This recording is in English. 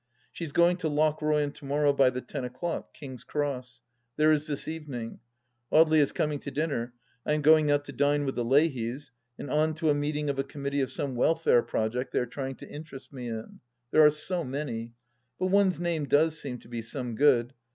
She is going to Lochroyan to morrow by the ten o'clock. King's Cross. There is this evening. Audely is coming to dinner. I am going out to dine with the Leahys, and on to a meeting of a Committee of some Welfare Project they are trying to interest me in. There are so many. But one's name does seem to be some good.